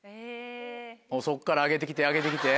そっから上げて来て上げて来て。